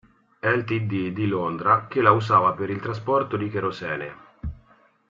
Ltd" di Londra, che la usava per il trasporto di kerosene.